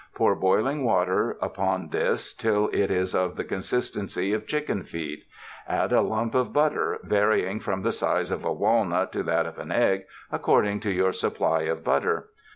Pour boiling water upon this till it is of the consistency of chicken feed. Add a lump of butter, varying from the size of a walnut to that of an egg, according to your supply of butter.